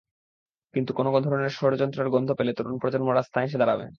কিন্তু কোনো ধরনের ষড়যন্ত্রের গন্ধ পেলে তরুণ প্রজন্ম রাস্তায় এসে দাঁড়াবে।